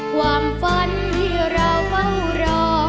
ความฝันที่เราเฝ้ารอ